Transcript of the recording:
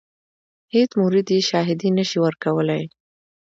هیڅ مرید یې شاهدي نه شي ورکولای.